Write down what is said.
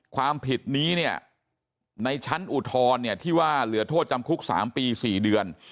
ความผิดนี้เนี่ยในชั้นอุทธรณ์เนี่ยที่ว่าเหลือโทษจำคุก๓ปี๔เดือน